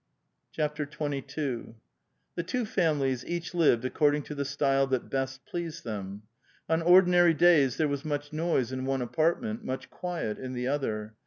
XXII. Tub two families each lived accordingr to the stvle that best pleased them. On ordinary days there was much noise in one apartment, much quiet in the other.